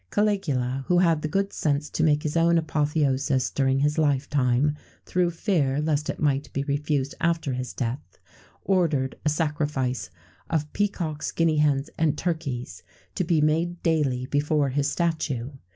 Caligula, who had the good sense to make his own apotheosis during his life time, through fear lest it might be refused after his death, ordered a sacrifice of peacocks, guinea hens, and turkeys to be made daily before his statue.